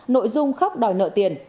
nội dung khóc đòi nợ tiền